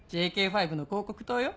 ＪＫ５の広告塔よ。